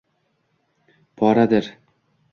poradir